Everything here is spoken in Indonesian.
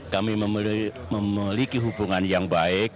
kami memiliki hubungan yang baik